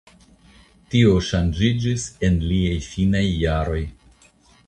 Tio ŝanĝiĝis en liaj finaj jaroj.